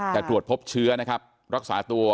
แต่ตรวจพบเชื้อนะครับ